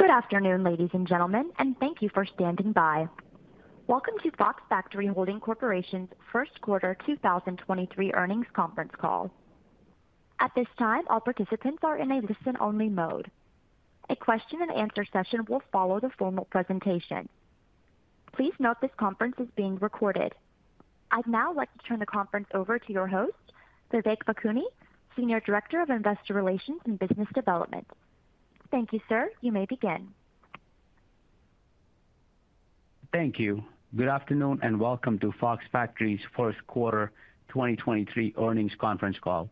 Good afternoon, ladies and gentlemen, and thank you for standing by. Welcome to Fox Factory Holding Corp.'s first quarter 2023 earnings conference call. At this time, all participants are in a listen-only mode. A question and answer session will follow the formal presentation. Please note this conference is being recorded. I'd now like to turn the conference over to your host, Vivek Bhakuni, Senior Director of Investor Relations and Business Development. Thank you, sir. You may begin. Thank you. Good afternoon, welcome to Fox Factory's first quarter 2023 earnings conference call.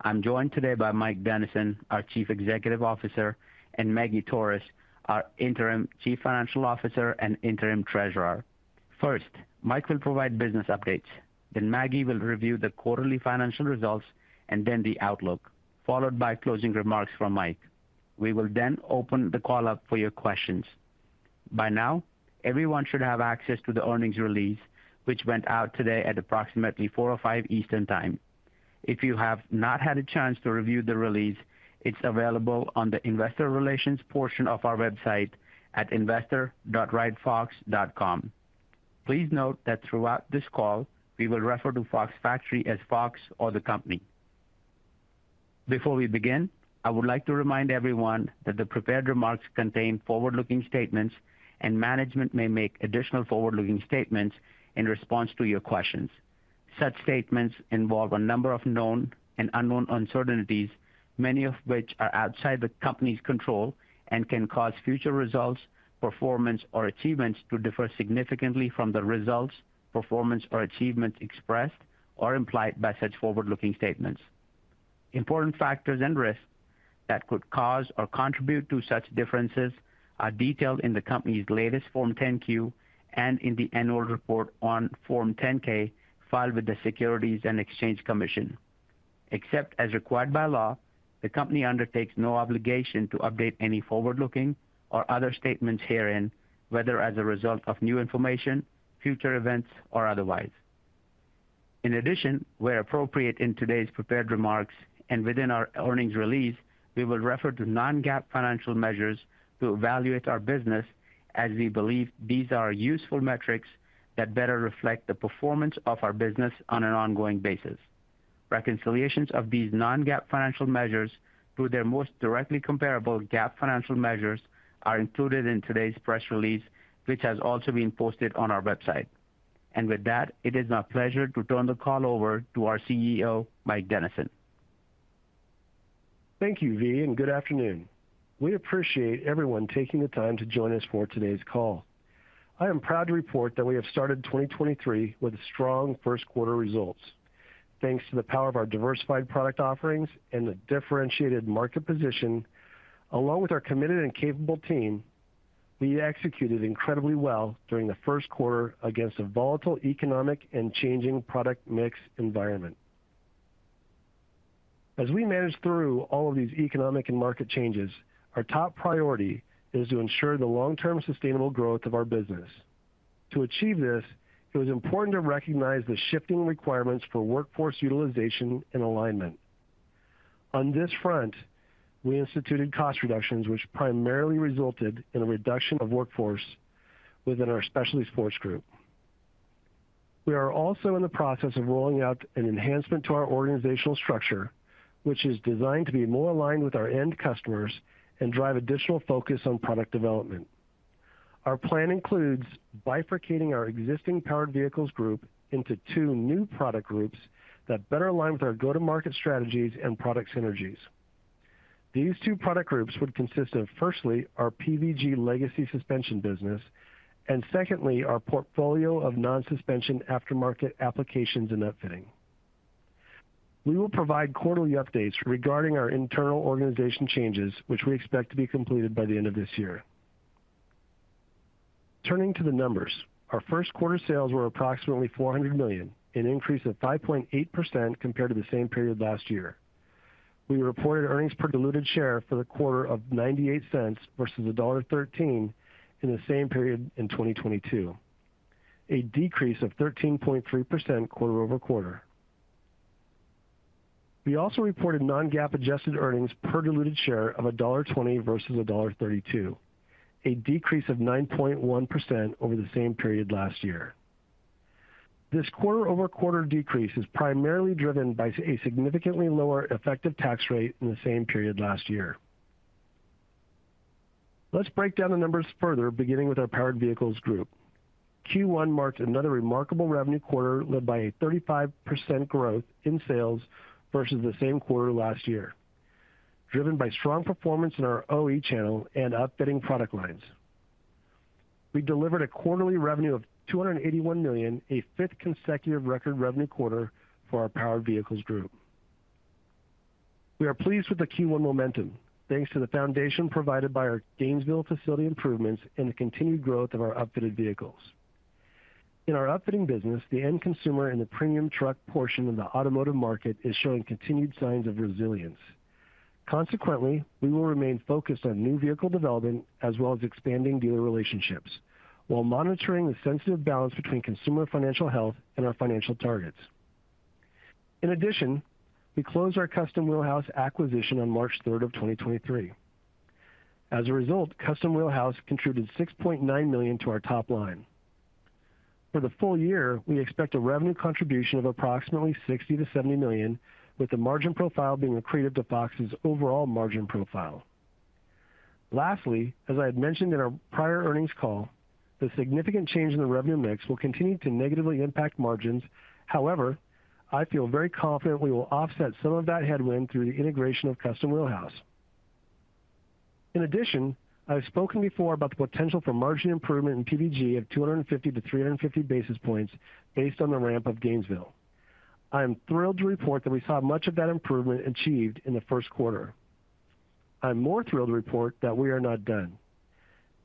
I'm joined today by Mike Dennison, our Chief Executive Officer, and Maggie Torres, our Interim Chief Financial Officer and Interim Treasurer. First, Mike will provide business updates. Maggie will review the quarterly financial results and then the outlook, followed by closing remarks from Mike. We will then open the call up for your questions. By now, everyone should have access to the earnings release, which went out today at approximately 4:05 P.M. Eastern time. If you have not had a chance to review the release, it's available on the investor relations portion of our website at investor.ridefox.com. Please note that throughout this call, we will refer to Fox Factory as Fox or the company. Before we begin, I would like to remind everyone that the prepared remarks contain forward-looking statements, and management may make additional forward-looking statements in response to your questions. Such statements involve a number of known and unknown uncertainties, many of which are outside the company's control and can cause future results, performance, or achievements to differ significantly from the results, performance, or achievements expressed or implied by such forward-looking statements. Important factors and risks that could cause or contribute to such differences are detailed in the company's latest Form 10-Q and in the annual report on Form 10-K filed with the Securities and Exchange Commission. Except as required by law, the company undertakes no obligation to update any forward-looking or other statements herein, whether as a result of new information, future events, or otherwise. In addition, where appropriate in today's prepared remarks and within our earnings release, we will refer to non-GAAP financial measures to evaluate our business as we believe these are useful metrics that better reflect the performance of our business on an ongoing basis. Reconciliations of these non-GAAP financial measures to their most directly comparable GAAP financial measures are included in today's press release, which has also been posted on our website. With that, it is my pleasure to turn the call over to our CEO, Mike Dennison. Thank you, V, and good afternoon. We appreciate everyone taking the time to join us for today's call. I am proud to report that we have started 2023 with strong first quarter results. Thanks to the power of our diversified product offerings and the differentiated market position, along with our committed and capable team, we executed incredibly well during the first quarter against a volatile economic and changing product mix environment. As we manage through all of these economic and market changes, our top priority is to ensure the long-term sustainable growth of our business. To achieve this, it was important to recognize the shifting requirements for workforce utilization and alignment. On this front, we instituted cost reductions, which primarily resulted in a reduction of workforce within our Specialty Sports Group. We are also in the process of rolling out an enhancement to our organizational structure, which is designed to be more aligned with our end customers and drive additional focus on product development. Our plan includes bifurcating our existing Powered Vehicles Group into two new product groups that better align with our go-to-market strategies and product synergies. These two product groups would consist of, firstly, our PVG legacy suspension business, and secondly, our portfolio of non-suspension aftermarket applications and upfitting. We will provide quarterly updates regarding our internal organization changes, which we expect to be completed by the end of this year. Turning to the numbers. Our first quarter sales were approximately $400 million, an increase of 5.8% compared to the same period last year. We reported earnings per diluted share for the quarter of $0.98 versus $1.13 in the same period in 2022, a decrease of 13.3% quarter-over-quarter. We also reported non-GAAP adjusted earnings per diluted share of $1.20 versus $1.32, a decrease of 9.1% over the same period last year. This quarter-over-quarter decrease is primarily driven by a significantly lower effective tax rate in the same period last year. Let's break down the numbers further, beginning with our Powered Vehicles Group. Q1 marked another remarkable revenue quarter led by a 35% growth in sales versus the same quarter last year, driven by strong performance in our OE channel and upfitting product lines. We delivered a quarterly revenue of $281 million, a fifth consecutive record revenue quarter for our Powered Vehicles Group. We are pleased with the Q1 momentum, thanks to the foundation provided by our Gainesville facility improvements and the continued growth of our upfitted vehicles. In our upfitting business, the end consumer in the premium truck portion of the automotive market is showing continued signs of resilience. We will remain focused on new vehicle development as well as expanding dealer relationships while monitoring the sensitive balance between consumer financial health and our financial targets. We closed our Custom Wheel House acquisition on March third of 2023. Custom Wheel House contributed $6.9 million to our top line. For the full year, we expect a revenue contribution of approximately $60 million-$70 million, with the margin profile being accretive to Fox's overall margin profile. As I had mentioned in our prior earnings call, the significant change in the revenue mix will continue to negatively impact margins. I feel very confident we will offset some of that headwind through the integration of Custom Wheel House. I've spoken before about the potential for margin improvement in PVG of 250-350 basis points based on the ramp of Gainesville. I am thrilled to report that we saw much of that improvement achieved in the first quarter. I'm more thrilled to report that we are not done.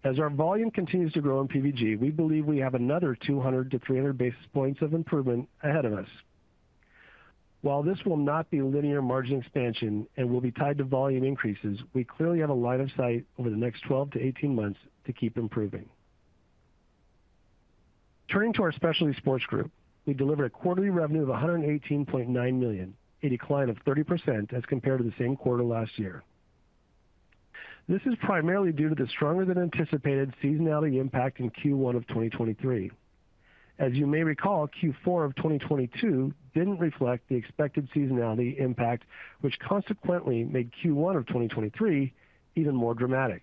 Our volume continues to grow in PVG, we believe we have another 200-300 basis points of improvement ahead of us. While this will not be linear margin expansion and will be tied to volume increases, we clearly have a line of sight over the next 12-18 months to keep improving. Turning to our Specialty Sports Group, we delivered a quarterly revenue of $118.9 million, a decline of 30% as compared to the same quarter last year. This is primarily due to the stronger than anticipated seasonality impact in Q1 of 2023. As you may recall, Q4 of 2022 didn't reflect the expected seasonality impact, which consequently made Q1 of 2023 even more dramatic.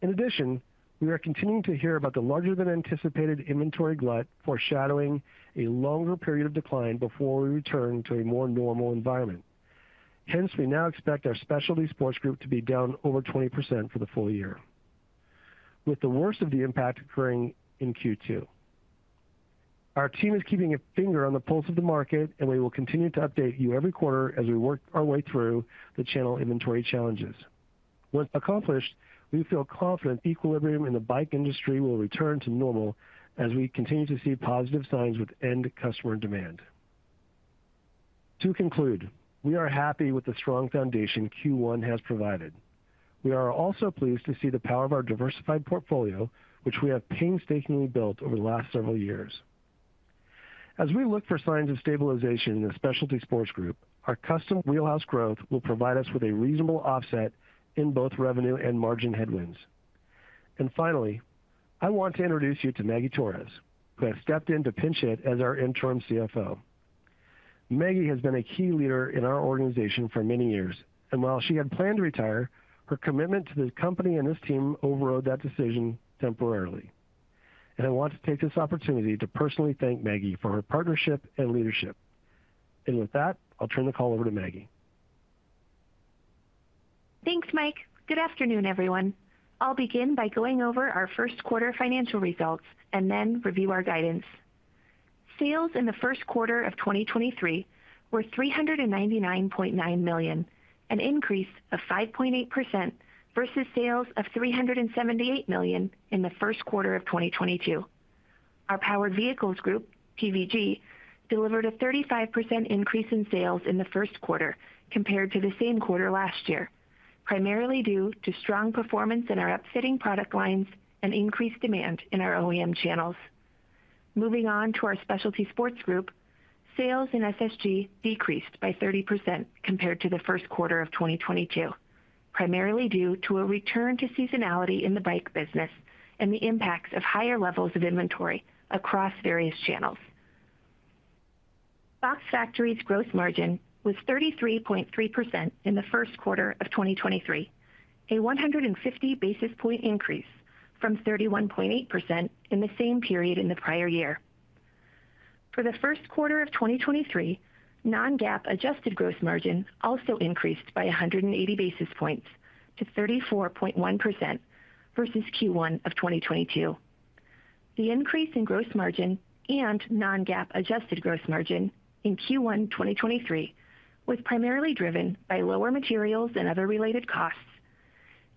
In addition, we are continuing to hear about the larger than anticipated inventory glut foreshadowing a longer period of decline before we return to a more normal environment. We now expect our Specialty Sports Group to be down over 20% for the full year, with the worst of the impact occurring in Q2. Our team is keeping a finger on the pulse of the market, we will continue to update you every quarter as we work our way through the channel inventory challenges. Once accomplished, we feel confident equilibrium in the bike industry will return to normal as we continue to see positive signs with end customer demand. To conclude, we are happy with the strong foundation Q1 has provided. We are also pleased to see the power of our diversified portfolio, which we have painstakingly built over the last several years. As we look for signs of stabilization in the Specialty Sports Group, our Custom Wheel House growth will provide us with a reasonable offset in both revenue and margin headwinds. Finally, I want to introduce you to Maggie Torres, who has stepped in to pinch hit as our Interim CFO. Maggie has been a key leader in our organization for many years, and while she had planned to retire, her commitment to the company and this team overrode that decision temporarily. I want to take this opportunity to personally thank Maggie for her partnership and leadership. With that, I'll turn the call over to Maggie. Thanks, Mike. Good afternoon, everyone. I'll begin by going over our first quarter financial results and then review our guidance. Sales in the first quarter of 2023 were $399.9 million, an increase of 5.8% versus sales of $378 million in the first quarter of 2022. Our Powered Vehicles Group, PVG, delivered a 35% increase in sales in the first quarter compared to the same quarter last year, primarily due to strong performance in our upfitting product lines and increased demand in our OEM channels. Moving on to our Specialty Sports Group, sales in SSG decreased by 30% compared to the first quarter of 2022, primarily due to a return to seasonality in the bike business and the impacts of higher levels of inventory across various channels. Fox Factory's gross margin was 33.3% in the first quarter of 2023, a 150 basis point increase from 31.8% in the same period in the prior year. For the first quarter of 2023, non-GAAP adjusted gross margin also increased by 180 basis points to 34.1% versus Q1 of 2022. The increase in gross margin and non-GAAP adjusted gross margin in Q1 2023 was primarily driven by lower materials and other related costs,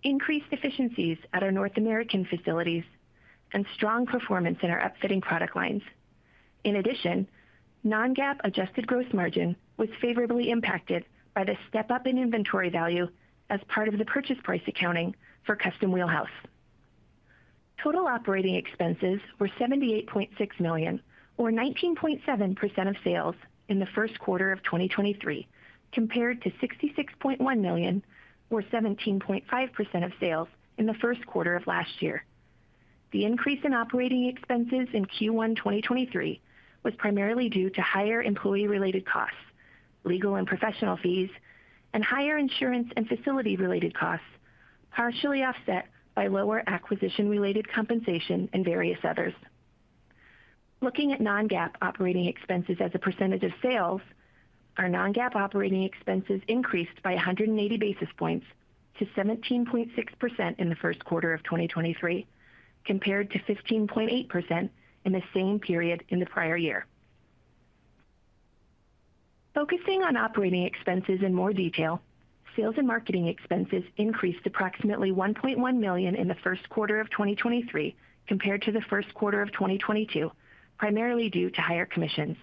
increased efficiencies at our North American facilities, and strong performance in our upfitting product lines. In addition, non-GAAP adjusted gross margin was favorably impacted by the step-up in inventory value as part of the purchase price accounting for Custom Wheel House. Total operating expenses were $78.6 million, or 19.7% of sales in the first quarter of 2023, compared to $66.1 million, or 17.5% of sales in the first quarter of last year. The increase in operating expenses in Q1 2023 was primarily due to higher employee-related costs, legal and professional fees, and higher insurance and facility related costs, partially offset by lower acquisition-related compensation and various others. Looking at non-GAAP operating expenses as a percentage of sales, our non-GAAP operating expenses increased by 180 basis points to 17.6% in the first quarter of 2023, compared to 15.8% in the same period in the prior year. Focusing on operating expenses in more detail, sales and marketing expenses increased approximately $1.1 million in the first quarter of 2023 compared to the first quarter of 2022, primarily due to higher commissions.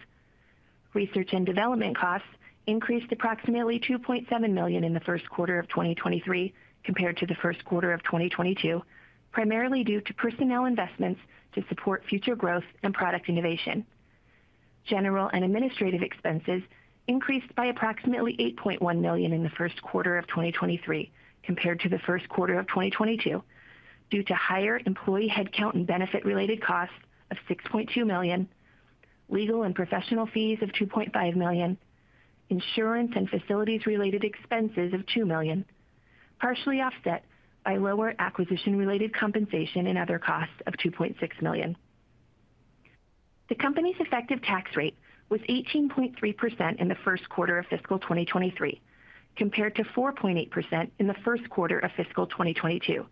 Research and development costs increased approximately $2.7 million in the first quarter of 2023 compared to the first quarter of 2022, primarily due to personnel investments to support future growth and product innovation. General and administrative expenses increased by approximately $8.1 million in the first quarter of 2023 compared to the first quarter of 2022 due to higher employee headcount and benefit related costs of $6.2 million, legal and professional fees of $2.5 million, insurance and facilities related expenses of $2 million, partially offset by lower acquisition related compensation and other costs of $2.6 million. The company's effective tax rate was 18.3% in the first quarter of fiscal 2023, compared to 4.8% in the first quarter of fiscal 2022.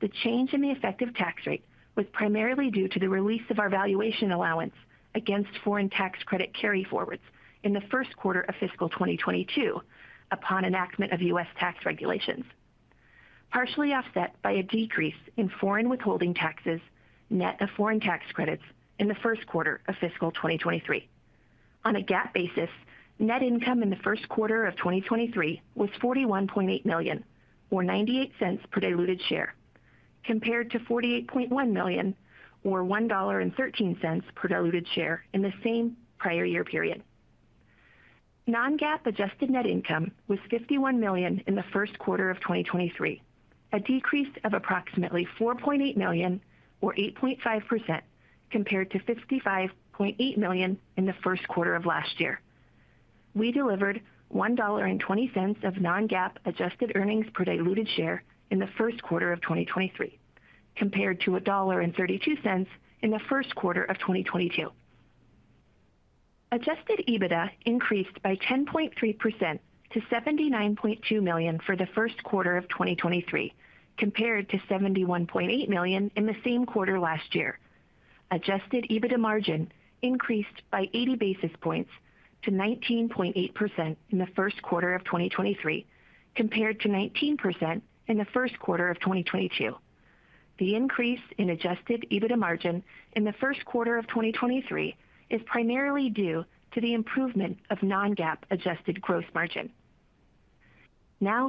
The change in the effective tax rate was primarily due to the release of our valuation allowance against foreign tax credit carryforwards in the first quarter of fiscal 2022 upon enactment of U.S. tax regulations, partially offset by a decrease in foreign withholding taxes net of foreign tax credits in the first quarter of fiscal 2023. On a GAAP basis, net income in the first quarter of 2023 was $41.8 million or $0.98 per diluted share, compared to $48.1 million or $1.13 per diluted share in the same prior year period. Non-GAAP adjusted net income was $51 million in the first quarter of 2023, a decrease of approximately $4.8 million or 8.5% compared to $55.8 million in the first quarter of last year. We delivered $1.20 of non-GAAP adjusted earnings per diluted share in the first quarter of 2023, compared to $1.32 in the first quarter of 2022. Adjusted EBITDA increased by 10.3% to $79.2 million for the first quarter of 2023, compared to $71.8 million in the same quarter last year. Adjusted EBITDA margin increased by 80 basis points to 19.8% in the first quarter of 2023, compared to 19% in the first quarter of 2022. The increase in adjusted EBITDA margin in the first quarter of 2023 is primarily due to the improvement of non-GAAP adjusted gross margin.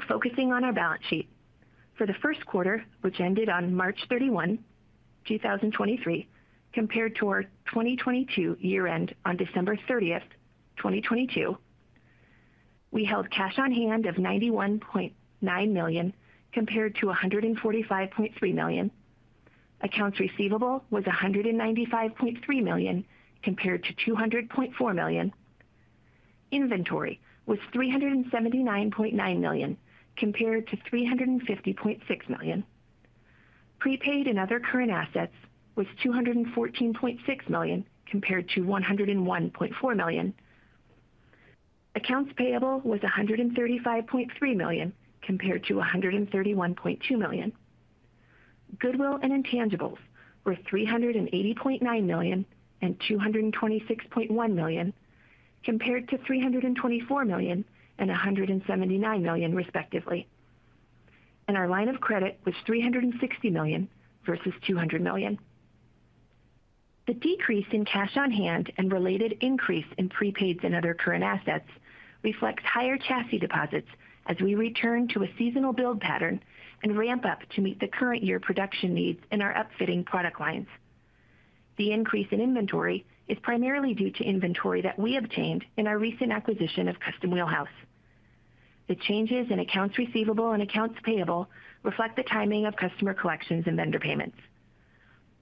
Focusing on our balance sheet. For the first quarter, which ended on March 31, 2023, compared to our 2022 year-end on December 30, 2022, we held cash on hand of $91.9 million, compared to $145.3 million. Accounts receivable was $195.3 million, compared to $200.4 million. Inventory was $379.9 million compared to $350.6 million. Prepaid and other current assets was $214.6 million compared to $101.4 million. Accounts payable was $135.3 million compared to $131.2 million. Goodwill and intangibles were $380.9 million and $226.1 million, compared to $324 million and $179 million, respectively. Our line of credit was $360 million versus $200 million. The decrease in cash on hand and related increase in prepaids and other current assets reflects higher chassis deposits as we return to a seasonal build pattern and ramp up to meet the current year production needs in our upfitting product lines. The increase in inventory is primarily due to inventory that we obtained in our recent acquisition of Custom Wheel House. The changes in accounts receivable and accounts payable reflect the timing of customer collections and vendor payments.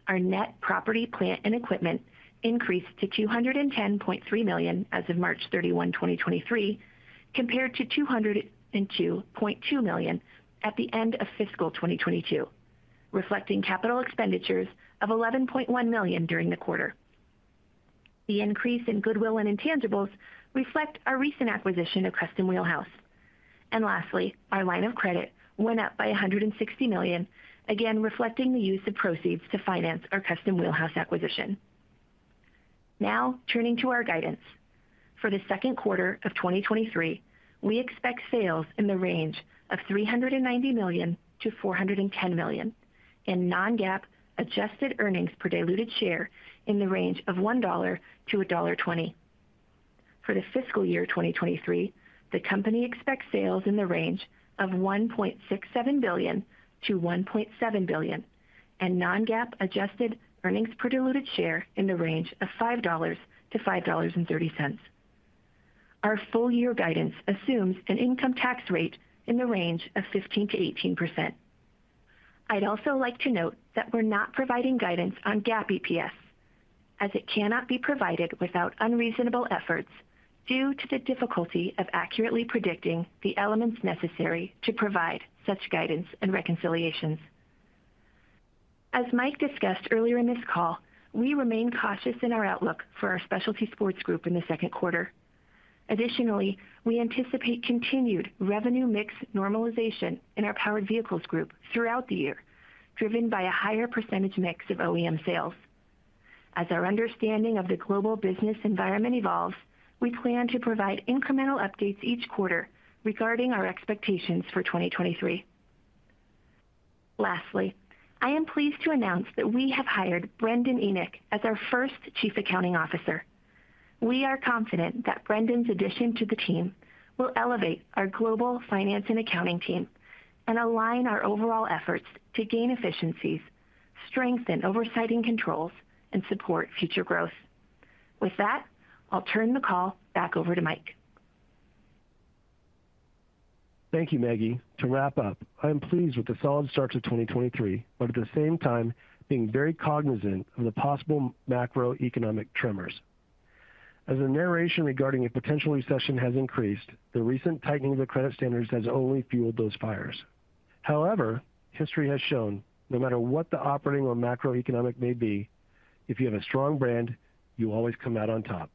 Our net property, plant and equipment increased to $210.3 million as of March 31, 2023, compared to $202.2 million at the end of fiscal 2022, reflecting capital expenditures of $11.1 million during the quarter. The increase in goodwill and intangibles reflect our recent acquisition of Custom Wheel House. Lastly, our line of credit went up by $160 million, again reflecting the use of proceeds to finance our Custom Wheel House acquisition. Turning to our guidance. For the second quarter of 2023, we expect sales in the range of $390 million-$410 million and non-GAAP adjusted earnings per diluted share in the range of $1.00-$1.20. For the fiscal year 2023, the company expects sales in the range of $1.67 billion-$1.7 billion and non-GAAP adjusted earnings per diluted share in the range of $5.00-$5.30. Our full year guidance assumes an income tax rate in the range of 15%-18%. I'd also like to note that we're not providing guidance on GAAP EPS as it cannot be provided without unreasonable efforts due to the difficulty of accurately predicting the elements necessary to provide such guidance and reconciliations. As Mike discussed earlier in this call, we remain cautious in our outlook for our Specialty Sports Group in the second quarter. We anticipate continued revenue mix normalization in our Powered Vehicles Group throughout the year, driven by a higher percentage mix of OEM sales. As our understanding of the global business environment evolves, we plan to provide incremental updates each quarter regarding our expectations for 2023. Lastly, I am pleased to announce that we have hired Brendan Enick as our first Chief Accounting Officer. We are confident that Brendan's addition to the team will elevate our global finance and accounting team and align our overall efforts to gain efficiencies strengthen oversighting controls, and support future growth. With that, I'll turn the call back over to Mike. Thank you, Maggie. To wrap up, I am pleased with the solid starts of 2023, but at the same time being very cognizant of the possible macroeconomic tremors. As the narration regarding a potential recession has increased, the recent tightening of the credit standards has only fueled those fires. However, history has shown, no matter what the operating or macroeconomic may be, if you have a strong brand, you always come out on top.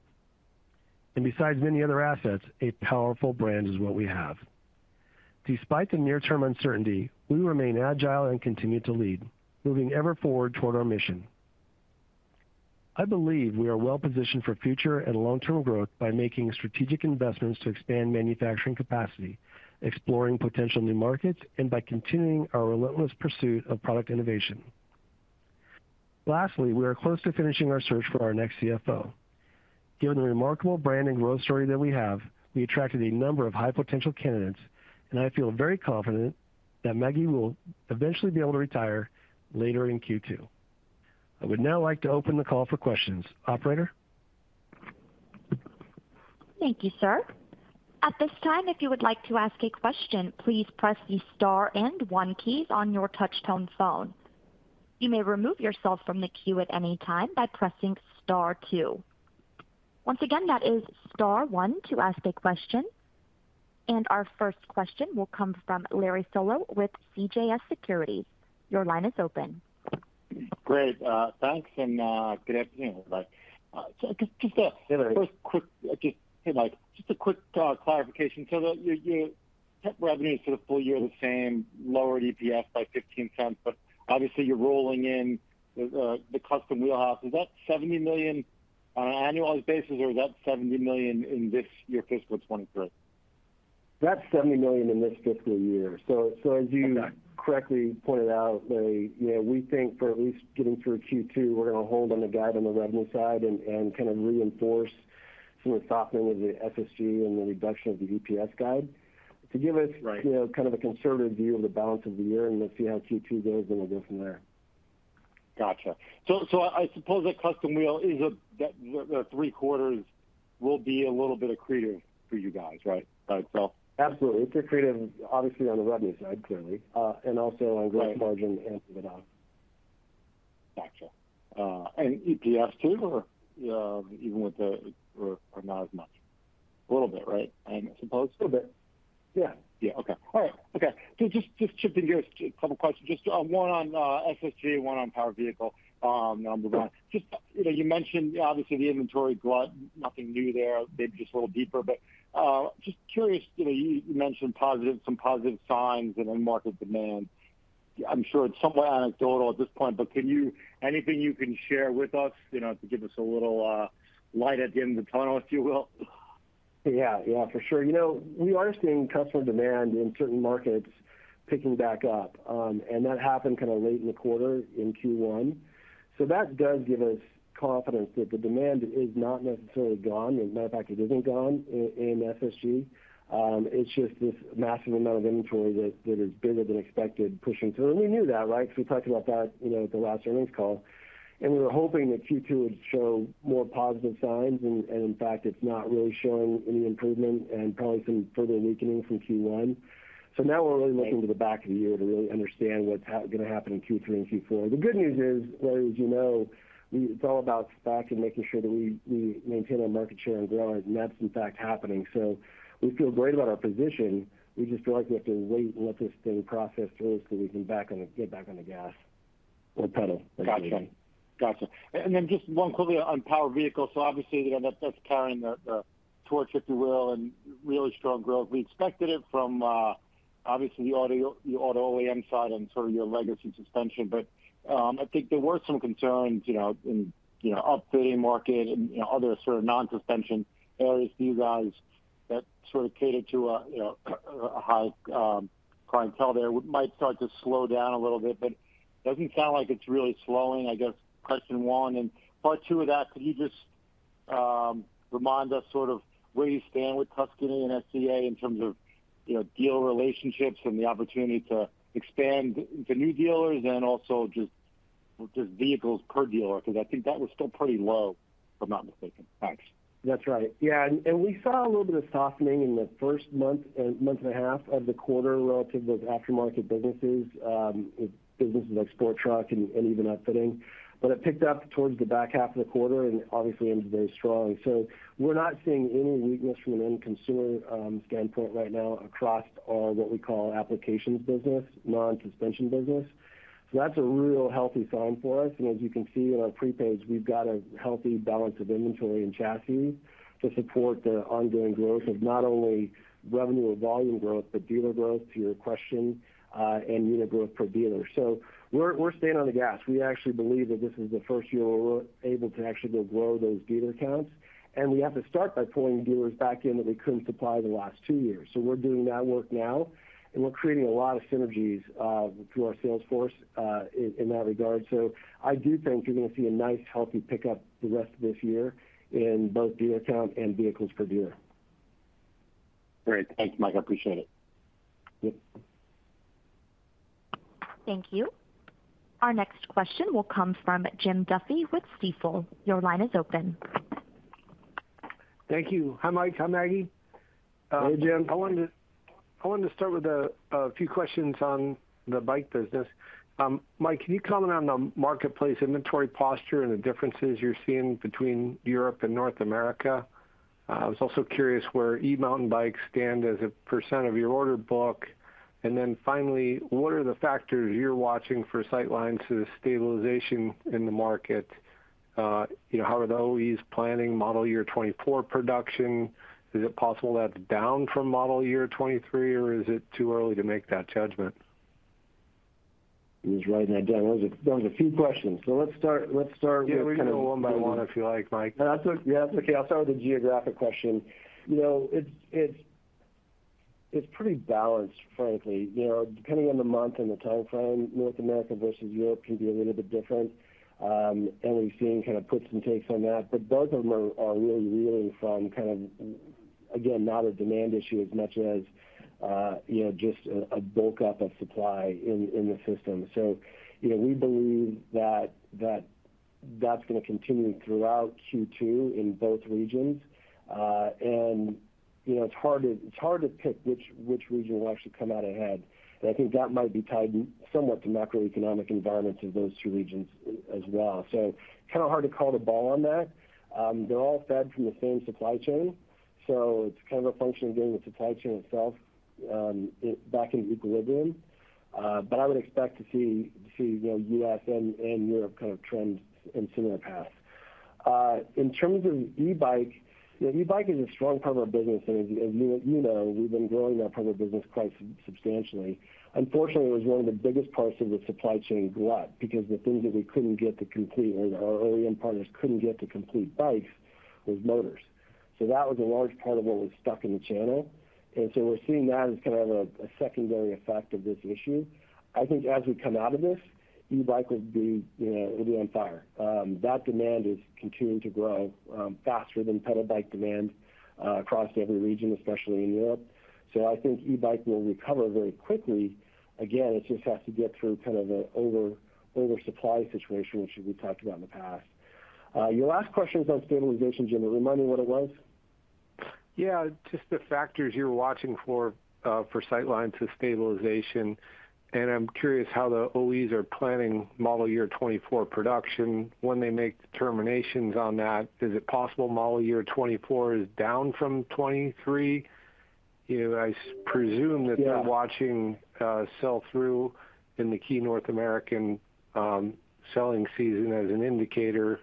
Besides many other assets, a powerful brand is what we have. Despite the near-term uncertainty, we remain agile and continue to lead, moving ever forward toward our mission. I believe we are well positioned for future and long-term growth by making strategic investments to expand manufacturing capacity, exploring potential new markets, and by continuing our relentless pursuit of product innovation. Lastly, we are close to finishing our search for our next CFO. Given the remarkable brand and growth story that we have, we attracted a number of high-potential candidates, and I feel very confident that Maggie will eventually be able to retire later in Q2. I would now like to open the call for questions. Operator? Thank you, sir. At this time, if you would like to ask a question, please press the star and one keys on your touch-tone phone. You may remove yourself from the queue at any time by pressing star two. Once again, that is star one to ask a question. Our first question will come from Larry Solow with CJS Securities. Your line is open. Great. thanks and, good afternoon, everybody. Hey, Larry. hey, Mike, just a quick clarification. Your temp revenue is sort of full year the same, lower EPS by $0.15, but obviously you're rolling in the Custom Wheel House. Is that $70 million on an annualized basis, or is that $70 million in this year fiscal 2023? That's $70 million in this fiscal year. Okay Correctly pointed out, Larry, you know, we think for at least getting through Q2, we're gonna hold on the guide on the revenue side and kind of reinforce some of the softening of the SSG and the reduction of the EPS guide to give us. Right You know, kind of a conservative view on the balance of the year. We'll see how Q2 goes. We'll go from there. Gotcha. I suppose that Custom Wheel is that the three-quarters will be a little bit accretive for you guys, right? Right. Absolutely. It's accretive, obviously, on the revenue side, clearly, and also on gross margin to answer that. Gotcha. EPS too, or not as much? A little bit, right? I suppose. A little bit. Yeah. Yeah. Okay. All right. Okay. Just shifting gears to a couple questions. Just one on SSG, one on Power Vehicle, and I'll move on. Just, you know, you mentioned obviously the inventory glut, nothing new there, maybe just a little deeper. Just curious, you know, you mentioned positive, some positive signs in end market demand. I'm sure it's somewhat anecdotal at this point, but can you anything you can share with us, you know, to give us a little light at the end of the tunnel, if you will? Yeah, yeah, for sure. You know, we are seeing customer demand in certain markets picking back up, and that happened kinda late in the quarter in Q1. That does give us confidence that the demand is not necessarily gone. As a matter of fact, it isn't gone in SSG. It's just this massive amount of inventory that is bigger than expected pushing through. We knew that, right? We talked about that, you know, at the last earnings call. We were hoping that Q2 would show more positive signs and in fact, it's not really showing any improvement and probably some further weakening from Q1. Now we're really looking to the back of the year to really understand what's gonna happen in Q3 and Q4. The good news is, Larry, as you know, it's all about stock and making sure that we maintain our market share and grow it, and that's in fact happening. We feel great about our position. We just feel like we have to wait and let this thing process through so we can get back on the gas or pedal. Gotcha. Gotcha. Just one quickly on Power Vehicle. Obviously, you know, that's carrying the torch, if you will, and really strong growth. We expected it from, obviously the auto, the auto OEM side and sort of your legacy suspension. I think there were some concerns, you know, in, you know, upfitting market and, you know, other sort of non-suspension areas for you guys that sort of catered to a, you know, a high clientele there might start to slow down a little bit. It doesn't sound like it's really slowing, I guess, question one? Part two of that, could you just remind us sort of where you stand with Tuscany and SCA in terms of, you know, dealer relationships and the opportunity to expand the new dealers and also just vehicles per dealer, because I think that was still pretty low, if I'm not mistaken. Thanks. That's right. We saw a little bit of softening in the first month and a half of the quarter relative to those aftermarket businesses like Sport Truck and even Upfitting. It picked up towards the back half of the quarter and obviously ended very strong. We're not seeing any weakness from an end consumer, standpoint right now across our what we call applications business, non-suspension business. That's a real healthy sign for us. And as you can see in our pre-page, we've got a healthy balance of inventory and chassis to support the ongoing growth of not only revenue or volume growth, but dealer growth, to your question, and unit growth per dealer. We're staying on the gas. We actually believe that this is the first year where we're able to actually grow those dealer counts. We have to start by pulling dealers back in that we couldn't supply the last two years. We're doing that work now, and we're creating a lot of synergies through our sales force in that regard. I do think you're gonna see a nice, healthy pickup the rest of this year in both dealer count and vehicles per dealer. Great. Thanks, Mike. I appreciate it. Thank you. Our next question will come from Jim Duffy with Stifel. Your line is open. Thank you. Hi, Mike. Hi, Maggie. Hey, Jim. I wanted to start with a few questions on the bike business. Mike, can you comment on the marketplace inventory posture and the differences you're seeing between Europe and North America? I was also curious where e-mountain bikes stand as a % of your order book. Finally, what are the factors you're watching for sight lines to the stabilization in the market? You know, how are the OEs planning model year 2024 production? Is it possible that's down from model year 2023, or is it too early to make that judgment? It was right in that. That was a few questions. Let's start with kind of. Yeah. We can go one by one if you like, Mike. That's okay. Yeah, that's okay. I'll start with the geographic question. You know, it's pretty balanced, frankly. You know, depending on the month and the timeframe, North America versus Europe can be a little bit different. We've seen kind of puts and takes on that. Both of them are really reeling from kind of, again, not a demand issue as much as, you know, just a bulk up of supply in the system. You know, we believe that that's gonna continue throughout Q2 in both regions. You know, it's hard to pick which region will actually come out ahead. I think that might be tied somewhat to macroeconomic environments of those two regions as well. Kind of hard to call the ball on that. They're all fed from the same supply chain, so it's kind of a function of getting the supply chain itself back into equilibrium. I would expect to see, you know, U.S. and Europe kind of trend in similar paths. In terms of e-bike, you know, e-bike is a strong part of our business. As you know, we've been growing that part of our business quite substantially. Unfortunately, it was one of the biggest parts of the supply chain glut because the things that we couldn't get to complete or our OEM partners couldn't get to complete bikes was motors. That was a large part of what was stuck in the channel. We're seeing that as kind of a secondary effect of this issue. I think as we come out of this, e-bike will be, you know, it'll be on fire. That demand is continuing to grow faster than pedal bike demand across every region, especially in Europe. I think e-bike will recover very quickly. Again, it just has to get through kind of an oversupply situation, which we've talked about in the past. Your last question was on stabilization, Jim. Remind me what it was? Yeah. Just the factors you're watching for sight lines to stabilization. I'm curious how the OEs are planning model year 2024 production. When they make determinations on that, is it possible model year 2024 is down from 2023? You know, Yeah. you're watching sell through in the key North American selling season as an indicator.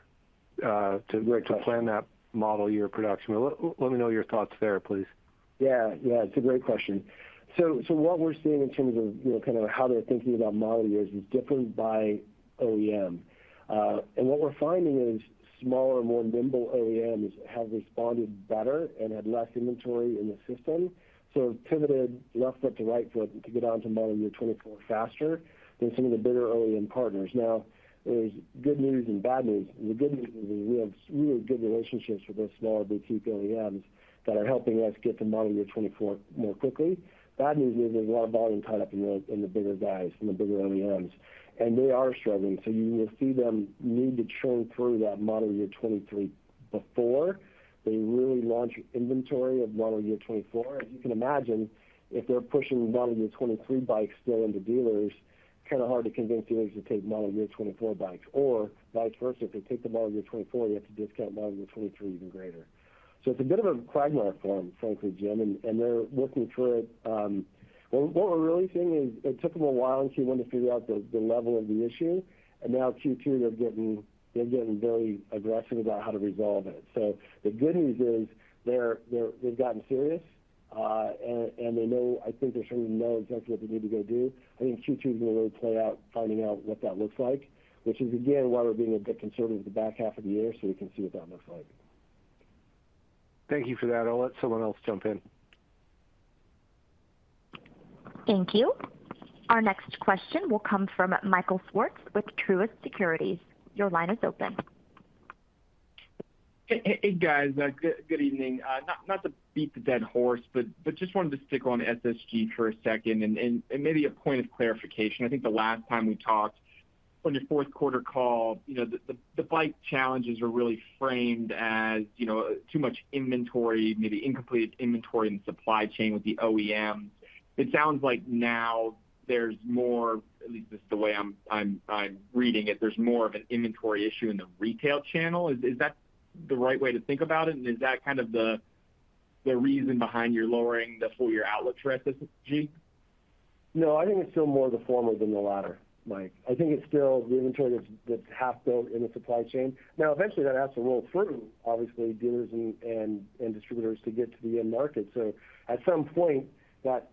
Great question. to plan that model year production. Let me know your thoughts there please. Yeah. Yeah. It's a great question. What we're seeing in terms of, you know, kind of how they're thinking about model years is different by OEM. What we're finding is smaller, more nimble OEMs have responded better and had less inventory in the system, so pivoted left foot to right foot to get on to model year 2024 faster than some of the bigger OEM partners. There's good news and bad news. The good news is we have really good relationships with those smaller, boutique OEMs that are helping us get to model year 2024 more quickly. Bad news is there's a lot of volume tied up in the bigger guys, in the bigger OEMs, and they are struggling. You will see them need to churn through that model year 2023 before they really launch inventory of model year 2024. You can imagine, if they're pushing model year 2023 bikes still into dealers, kind of hard to convince dealers to take model year 2024 bikes. Vice versa, if they take the model year 2024, you have to discount model year 2023 even greater. It's a bit of a quagmire for them, frankly, Jim, and they're working through it. What we're really seeing is it took them a while in Q1 to figure out the level of the issue, and now Q2, they're getting very aggressive about how to resolve it. The good news is they've gotten serious, and I think they certainly know exactly what they need to go do. I think Q2 is gonna really play out finding out what that looks like, which is again, why we're being a bit conservative the back half of the year so we can see what that looks like. Thank you for that. I'll let someone else jump in. Thank you. Our next question will come from Michael Swartz with Truist Securities. Your line is open. Hey, guys. good evening. not to beat the dead horse, but just wanted to stick on SSG for a second and maybe a point of clarification. I think the last time we talked on your fourth quarter call, you know, the bike challenges were really framed as, you know, too much inventory, maybe incomplete inventory in the supply chain with the OEMs. It sounds like now there's more, at least this is the way I'm reading it, there's more of an inventory issue in the retail channel. Is that the right way to think about it? Is that kind of the reason behind your lowering the full year outlook for SSG? No, I think it's still more of the former than the latter, Mike. I think it's still the inventory that's half built in the supply chain. Eventually that has to roll through, obviously, dealers and distributors to get to the end market. At some point, that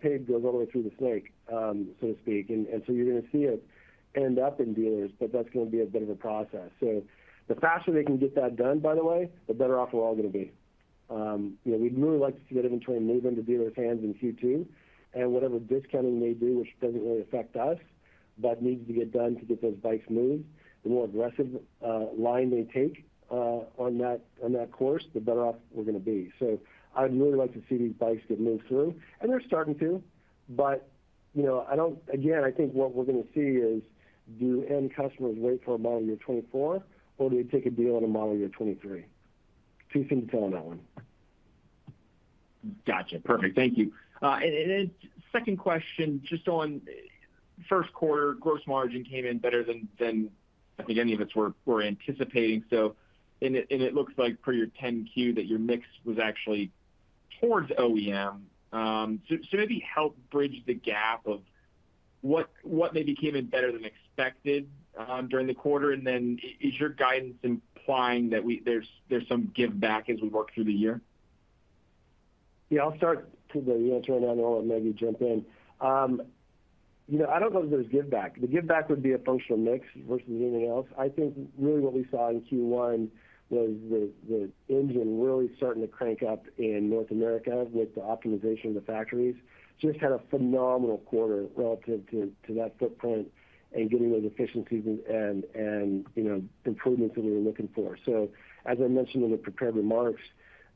pig goes all the way through the snake, so to speak. You're gonna see it end up in dealers, but that's gonna be a bit of a process. The faster they can get that done, by the way, the better off we're all gonna be. You know, we'd really like to see that inventory move into dealers' hands in Q2. Whatever discounting they do, which doesn't really affect us. That needs to get done to get those bikes moved. The more aggressive line they take on that, on that course, the better off we're gonna be. I'd really like to see these bikes get moved through, and they're starting to, but, you know, again, I think what we're gonna see is do end customers wait for a model year 2024, or do they take a deal on a model year 2023? Two things going on that one. Gotcha. Perfect. Thank you. Second question, just on first quarter gross margin came in better than I think any of us were anticipating. It looks like per your Form 10-Q that your mix was actually towards OEM. Maybe help bridge the gap of what maybe came in better than expected during the quarter, and then is your guidance implying that there's some give back as we work through the year? Yeah, I'll start, Peter, you wanna turn it down, or maybe jump in. You know, I don't know if there's give back. The give back would be a functional mix versus anything else. I think really what we saw in Q1 was the engine really starting to crank up in North America with the optimization of the factories. Just had a phenomenal quarter relative to that footprint and getting those efficiencies and, you know, improvements that we were looking for. As I mentioned in the prepared remarks,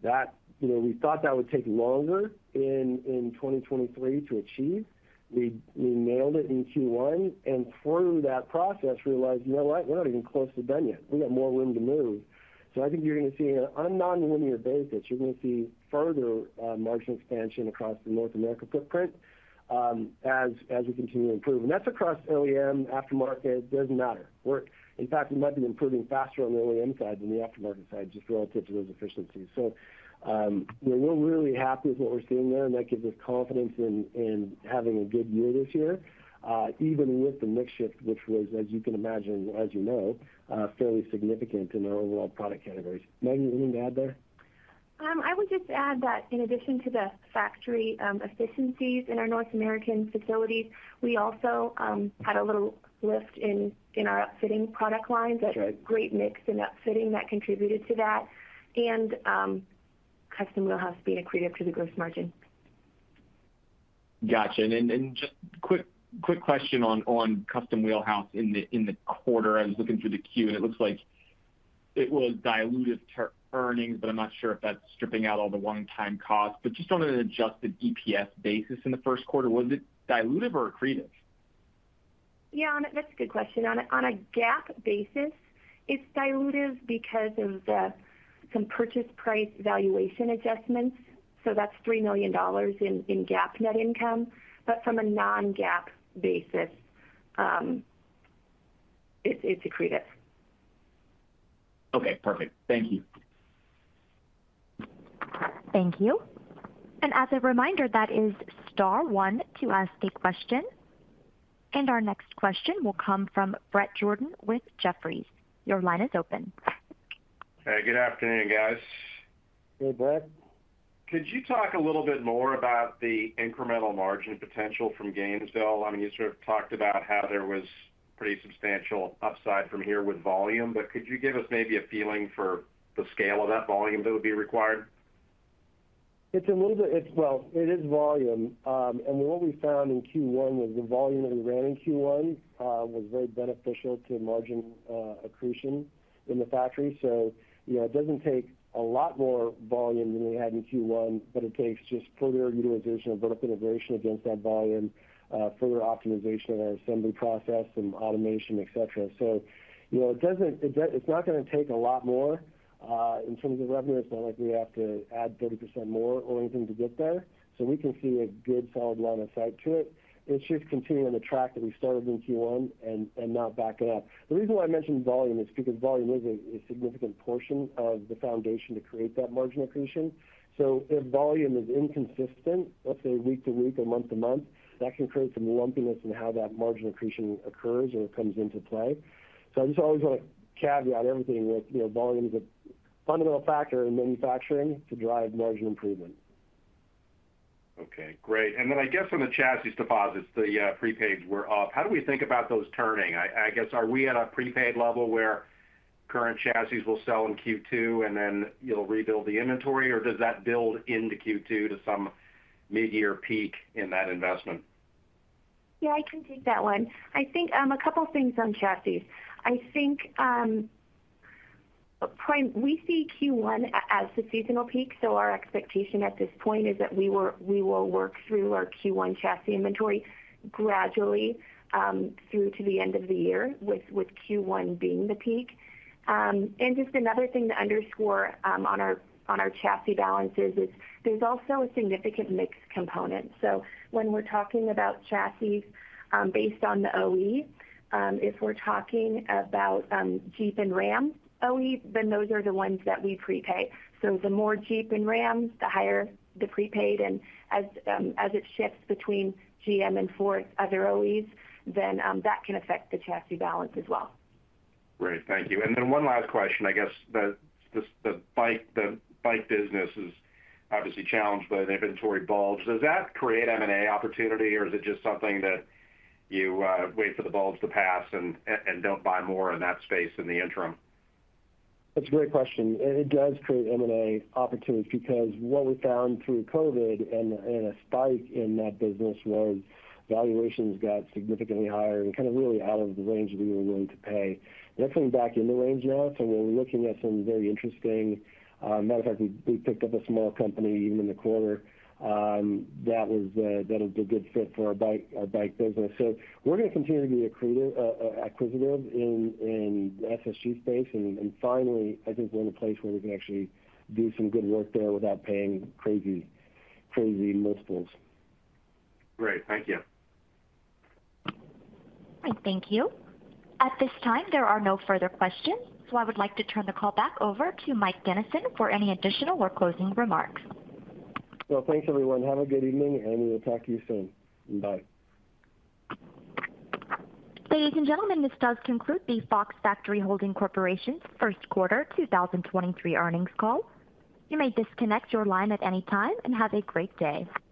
that, you know, we thought that would take longer in 2023 to achieve. We nailed it in Q1, and through that process realized, you know what? We're not even close to done yet. We got more room to move. I think you're gonna see on a nonlinear basis, you're gonna see further, margin expansion across the North America footprint, as we continue to improve. That's across OEM, aftermarket, doesn't matter. In fact, we might be improving faster on the OEM side than the aftermarket side, just relative to those efficiencies. You know, we're really happy with what we're seeing there, and that gives us confidence in having a good year this year, even with the mix shift, which was, as you can imagine, as you know, fairly significant in our overall product categories. Megan, anything to add there? I would just add that in addition to the factory, efficiencies in our North American facilities, we also had a little lift in our upfitting product lines. Sure. A great mix in upfitting that contributed to that and, Custom Wheel House being accretive to the gross margin. Gotcha. Just quick question on Custom Wheel House in the quarter. I was looking through the Form 10-Q, it looks like it was dilutive to earnings, I'm not sure if that's stripping out all the one-time costs. Just on an adjusted EPS basis in the first quarter, was it dilutive or accretive? Yeah. That's a good question. On a GAAP basis, it's dilutive because of some purchase price valuation adjustments, so that's $3 million in GAAP net income. From a non-GAAP basis, it's accretive. Okay. Perfect. Thank you. Thank you. As a reminder, that is star one to ask a question. Our next question will come from Bret Jordan with Jefferies. Your line is open. Hey, good afternoon, guys. Hey, Bret. Could you talk a little bit more about the incremental margin potential from Gainesville? I mean, you sort of talked about how there was pretty substantial upside from here with volume, but could you give us maybe a feeling for the scale of that volume that would be required? Well, it is volume. What we found in Q1 was the volume that we ran in Q1 was very beneficial to margin accretion in the factory. You know, it doesn't take a lot more volume than we had in Q1, but it takes just further utilization of vertical integration against that volume, further optimization of our assembly process and automation, et cetera. You know, it doesn't, it's not gonna take a lot more in terms of the revenue. It's not like we have to add 30% more or anything to get there. We can see a good solid line of sight to it. It's just continuing the track that we started in Q1 and not backing up. The reason why I mention volume is because volume is a significant portion of the foundation to create that margin accretion. If volume is inconsistent, let's say week to week or month to month, that can create some lumpiness in how that margin accretion occurs or comes into play. I just always wanna caveat everything with, you know, volume is a fundamental factor in manufacturing to drive margin improvement. Okay. Great. I guess on the chassis deposits, the prepaids were up. How do we think about those turning? I guess are we at a prepaid level where current chassis will sell in Q2, and then you'll rebuild the inventory, or does that build into Q2 to some mid-year peak in that investment? Yeah, I can take that one. I think a couple things on chassis. I think We see Q1 as the seasonal peak, so our expectation at this point is that we will work through our Q1 chassis inventory gradually through to the end of the year with Q1 being the peak. Just another thing to underscore on our chassis balances is there's also a significant mix component. So when we're talking about chassis, based on the OEs, if we're talking about Jeep and Ram OEs, then those are the ones that we prepay. So the more Jeep and Rams, the higher the prepaid. As it shifts between GM and Ford's other OEs, then that can affect the chassis balance as well. Great. Thank you. Then one last question, I guess the bike business is obviously challenged by an inventory bulge. Does that create M&A opportunity, or is it just something that you wait for the bulge to pass and don't buy more in that space in the interim? That's a great question, and it does create M&A opportunities because what we found through COVID and a spike in that business was valuations got significantly higher and kind of really out of the range that we were willing to pay. They're coming back into range now, so we're looking at some very interesting. Matter of fact, we picked up a small company even in the quarter that is a good fit for our bike business. We're gonna continue to be acquisitive in the SSG space. Finally, I think we're in a place where we can actually do some good work there without paying crazy multiples. Great. Thank you. All right. Thank you. At this time, there are no further questions. I would like to turn the call back over to Mike Dennison for any additional or closing remarks. Well, thanks, everyone. Have a good evening, and we will talk to you soon. Bye. Ladies and gentlemen, this does conclude the Fox Factory Holding Corp.'s first quarter 2023 earnings call. You may disconnect your line at any time, and have a great day.